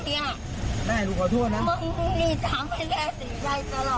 แม่ขอโทษนะ